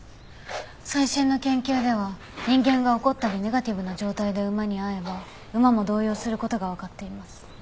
最新の研究では人間が怒ったりネガティブな状態で馬に会えば馬も動揺する事がわかっています。